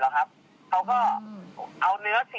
เขาก็เอาเนื้อเสียงในกลุ่มเดียวกันเนี่ยครับเอามาเปิดให้ฟังนะครับ